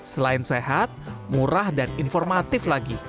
selain sehat murah dan informatif lagi